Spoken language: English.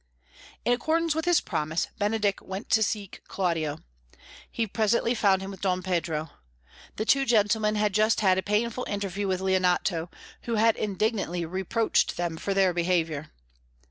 In accordance with his promise, Benedick went to seek Claudio. He presently found him with Don Pedro. The two gentlemen had just had a painful interview with Leonato, who had indignantly reproached them for their behaviour.